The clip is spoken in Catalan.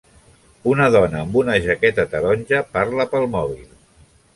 Una dona amb una jaqueta taronja parla pel mòbil.